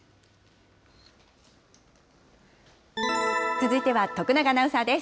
続いては徳永アナウンサーです。